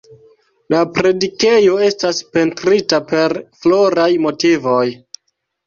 La predikejo estas pentrita per floraj motivoj.